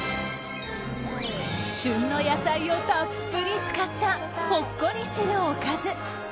旬の野菜をたっぷり使ったほっこりするおかず。